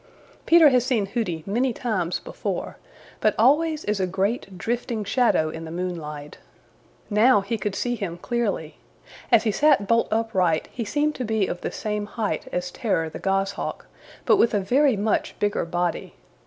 Peter has seen Hooty many times before, but always as a great, drifting shadow in the moonlight. Now he could see him clearly. As he sat bolt upright he seemed to be of the same height as Terror the Goshawk, but with a very much bigger body.